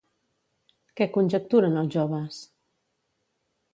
Què conjecturen els joves?